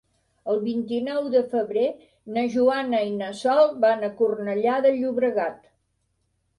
El vint-i-nou de febrer na Joana i na Sol van a Cornellà de Llobregat.